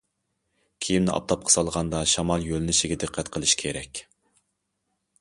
كىيىمنى ئاپتاپقا سالغاندا، شامال يۆلىنىشىگە دىققەت قىلىش كېرەك.